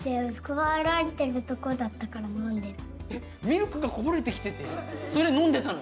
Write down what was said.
えっミルクがこぼれてきててそれ飲んでたの？